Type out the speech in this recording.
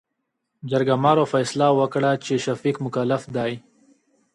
جرګمارو فيصله وکړه چې، شفيق مکلف دى.